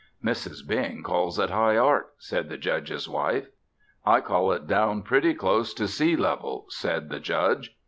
"Mrs. Bing calls it high art," said the Judge's wife. "I call it down pretty close to see level," said the Judge.